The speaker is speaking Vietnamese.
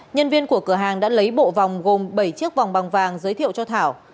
nhân viên của cửa hàng đã lấy bộ vòng gồm bảy chiếc vòng bằng vàng giới thiệu cho thảo